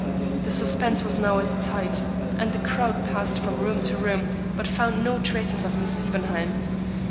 The suspense was now at Its height, and the crowd passed from room to room, but found no traces of Miss Liebenheim.